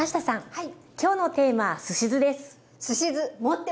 はい。